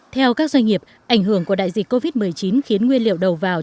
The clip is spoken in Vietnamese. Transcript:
theo các doanh nghiệp ảnh hưởng của đại dịch covid một mươi chín khiến nguyên liệu đầu vào